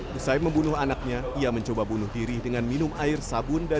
besai membunuh anaknya ia mencoba bunuh diri dengan minum air sabun dari kamar